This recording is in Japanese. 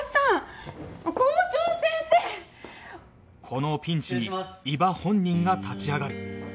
このピンチに伊庭本人が立ち上がる